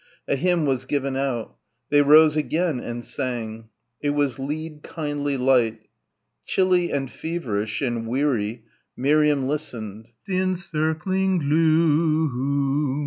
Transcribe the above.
A hymn was given out. They rose again and sang. It was "Lead, Kindly Light." Chilly and feverish and weary Miriam listened ... "the encircling glooo om"